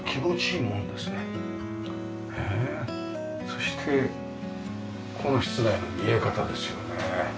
そしてこの室内の見え方ですよね。